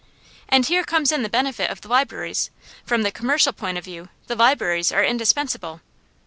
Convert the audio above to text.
And here comes in the benefit of the libraries; from the commercial point of view the libraries are indispensable.